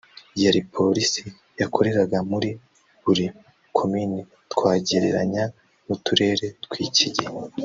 yari Polisi yakoreraga muri buri komini (twagereranya n’uturere tw’iki gihe)